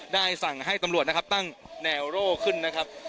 ได้สั่งให้ตำรวจนะครับตั้งแนวโร่ขึ้นนะครับ